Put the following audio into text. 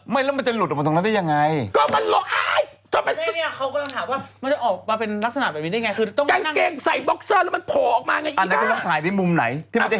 แล้วมันจะหลุดออกมาตรงนั้นได้ยังไง